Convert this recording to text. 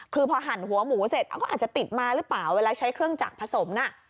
คือพอหั่นหัวหมูเสร็จก็อาจจะติดมาหรือเปล่าเวลาใช้เครื่องจักรผสมน่ะ